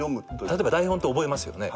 例えば台本って覚えますよね？